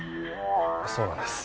そうなんです。